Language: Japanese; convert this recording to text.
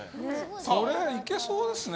これ、いけそうですね。